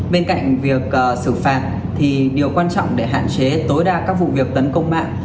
bên cạnh việc xử phạt thì điều quan trọng để hạn chế tối đa các vụ việc tấn công mạng